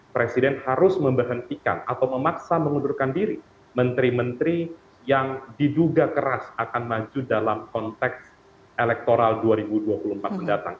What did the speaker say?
presiden harus memberhentikan atau memaksa mengundurkan diri menteri menteri yang diduga keras akan maju dalam konteks elektoral dua ribu dua puluh empat mendatang